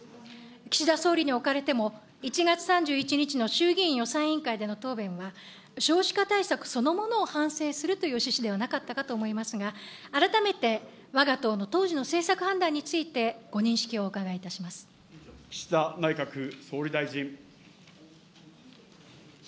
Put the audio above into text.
岸田総理におかれても、１月３１日の衆議院予算委員会での答弁は、少子化対策そのものを反省するという趣旨ではなかったかと思いますが、改めてわが党の当時の政策判断について、ご認識をお伺いい岸田内閣総理大臣。